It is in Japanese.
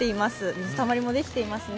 水たまりもできていますね。